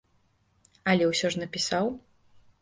Але ўсё ж напісаў.